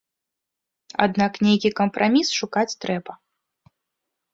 Аднак нейкі кампраміс шукаць трэба.